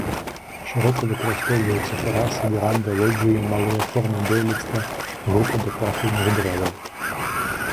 Шырока выкарыстоўваюцца тэрасы, веранды, лоджыі, малыя формы дойлідства, групы дэкаратыўных дрэваў.